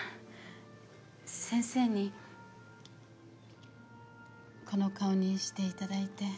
先生にこの顔にしていただいて。